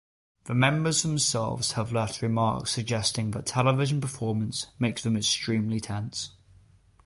The members themselves have left remarks suggesting that television performances make them extremely tense.